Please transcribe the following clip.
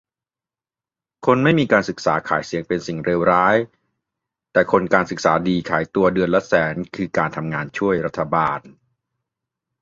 "คนไม่มีการศึกษาขายเสียงเป็นสิ่งเลวร้าย แต่คนการศึกษาดีขายตัวเดือนละเป็นแสนคือการทำงานช่วยรัฐบาล"